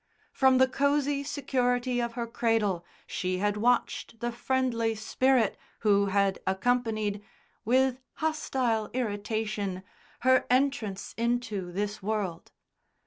From the cosy security of her cradle she had watched the friendly spirit who had accompanied (with hostile irritation) her entrance into this world.